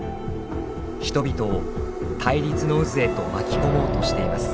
人々を対立の渦へと巻き込もうとしています。